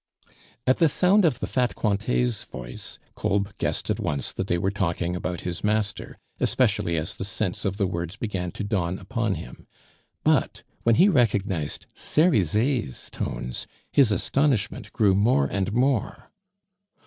At the sound of the fat Cointet's voice, Kolb guessed at once that they were talking about his master, especially as the sense of the words began to dawn upon him; but, when he recognized Cerizet's tones, his astonishment grew more and more.